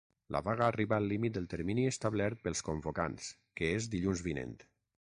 La vaga arriba al límit del termini establert pels convocants, que és dilluns vinent.